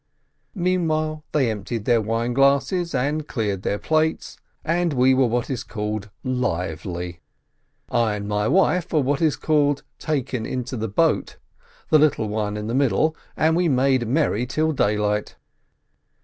Meanwhile they emptied their wine glasses, and cleared their plates, and we were what is called "lively." I and my wife were what is called "taken into the boat," the little one in the middle, and we made merry till daylight.